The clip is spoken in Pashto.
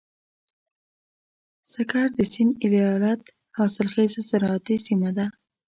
سکر د سيند ايالت حاصلخېزه زراعتي سيمه ده.